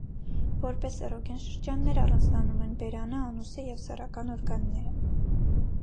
Որպես էրոգեն շրջաններ առանձնացնում եմ բերանը, անուսը և սեռական օրգանները։